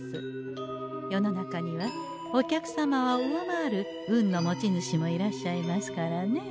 世の中にはお客様を上回る運の持ち主もいらっしゃいますからねえ。